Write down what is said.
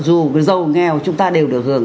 dù dâu nghèo chúng ta đều được hưởng